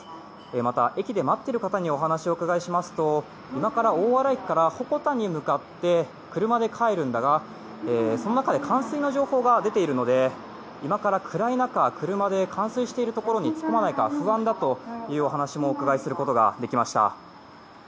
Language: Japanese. また、駅で待っている方にお話を伺いますと今から大洗駅から鉾田に向かって車で帰るんだが、その中で冠水の情報が出ているので今から暗い中、車で冠水しているところに進むのは不安だという話もお伺いすることができました。